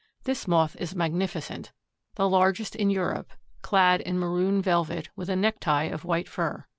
This Moth is magnificent, the largest in Europe, clad in maroon velvet, with a necktie of white fur.